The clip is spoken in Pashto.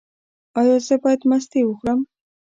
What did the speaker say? ایا زه باید مستې وخورم؟